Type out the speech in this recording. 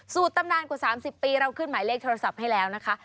ตำนานกว่า๓๐ปีเราขึ้นหมายเลขโทรศัพท์ให้แล้วนะคะ